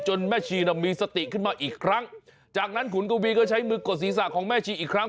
แม่ชีน่ะมีสติขึ้นมาอีกครั้งจากนั้นขุนกวีก็ใช้มือกดศีรษะของแม่ชีอีกครั้ง